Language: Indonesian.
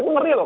itu ngeri loh